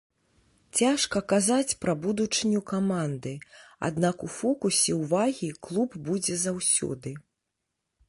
Цяжка казаць пра будучыню каманды, аднак у фокусе ўвагі клуб будзе заўсёды.